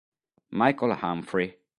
Michael Humphrey